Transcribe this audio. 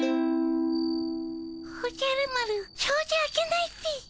おじゃる丸しょうじ開けないっピ。